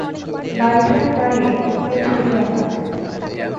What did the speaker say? গাড়িটার গায়ে কুকুরের ছবি আঁকা আছে।